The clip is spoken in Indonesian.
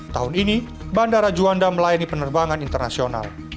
tahun ini bandara juanda melayani penerbangan internasional